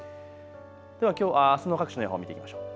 ではあすの各地の予報を見てみましょう。